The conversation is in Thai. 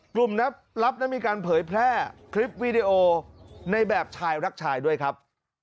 นับนั้นมีการเผยแพร่คลิปวิดีโอในแบบชายรักชายด้วยครับ